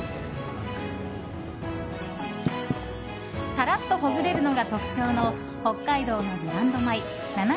さらっとほぐれるのが特徴の北海道のブランド米なな